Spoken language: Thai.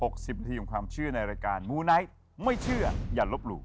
๖๐นาทีของความเชื่อในรายการมูไนท์ไม่เชื่ออย่าลบหลู่